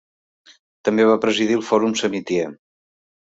També va presidir el Fòrum Samitier.